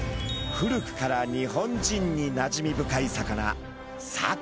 古くから日本人になじみ深い魚サケ。